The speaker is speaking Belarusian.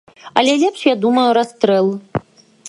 Але лепш, я думаю, расстрэл!